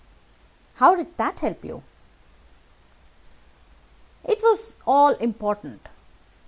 "How did that help you?" "It was all important.